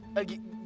nanti aku datang